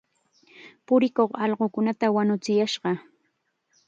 Purikuq allqukunata wañuchiyashqa.